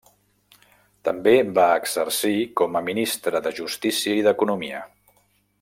També va exercir com a ministre de justícia i d'economia.